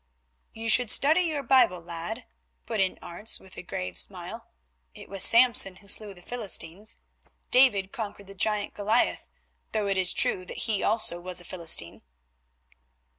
"You should study your Bible, lad," put in Arentz with a grave smile. "It was Samson who slew the Philistines; David conquered the giant Goliath, though it is true that he also was a Philistine."